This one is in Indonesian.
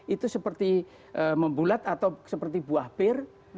itu seperti membulat atau seperti buah pir